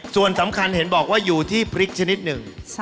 ส่วนสำคัญเห็นบอกว่าอยู่ที่พริกชนิดหนึ่ง